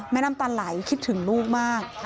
น้ำตาไหลคิดถึงลูกมาก